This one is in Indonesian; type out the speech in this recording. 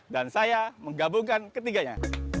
dan saya menggabungkan ketiganya